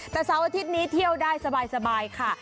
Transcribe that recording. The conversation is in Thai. แต่เสาร์อาทิตย์นี้เที่ยวได้สบายค่ะ